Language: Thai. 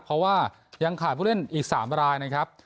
เพราะว่ายังขาดผู้เล่นอีก๓รายนะครับ